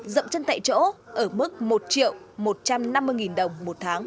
dậm chân tại chỗ ở mức một triệu một trăm năm mươi đồng một tháng